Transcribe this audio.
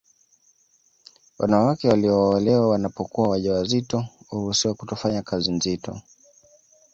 Wanawake walioolewa wanapokuwa waja wazito huruhusiwa kutofanya kazi nzito